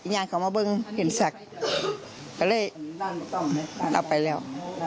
แย่งเขามาบิ้งกินสักก็เลยเอาไปแล้ว